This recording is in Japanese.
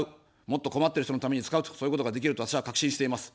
もっと困ってる人のために使うと、そういうことができると私は確信しています。